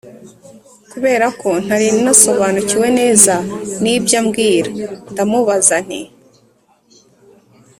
Kubera ko ntari nasobanukiwe neza n'ibyo ambwira, ndamubaza nti